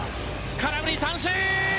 空振り三振！